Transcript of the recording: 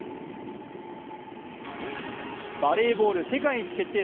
バレーボール世界一決定